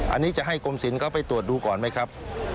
อันนี้จะให้กรมศิลป์เขาไปตรวจดูก่อนไหมครับ